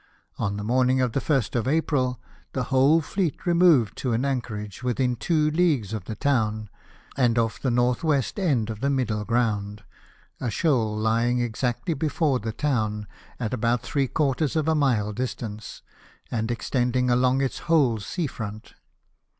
On the morning of the 1st of April, the whole fleet removed to an anchorage within two leagues of the town, and off the N.W. end of the Middle Ground — a shoal lying exactly before the town, at about three quarters of a mile distance, and extending along its whole sea front.